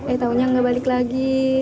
eh taunya nggak balik lagi